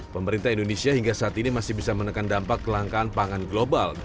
pemerintah indonesia hingga saat ini masih bisa menekan dampak kelangkaan pangan global